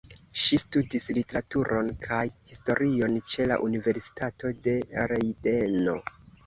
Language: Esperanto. Ŝi studis literaturon kaj historion ĉe la Universitato de Lejdeno.